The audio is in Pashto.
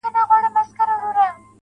مخ ځيني واړوه ته.